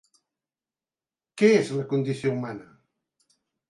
Què és la condició humana?